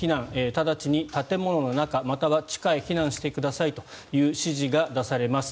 直ちに建物の中または地下へ避難してくださいという指示が出されます。